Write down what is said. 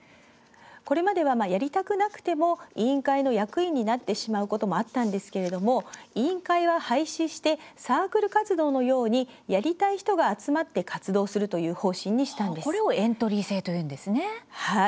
これまではやりたくなくても委員会の役員になってしまうこともあったのですけれども委員会は廃止してサークル活動のようにやりたい人が集まって活動するこれをエントリー制というんですね。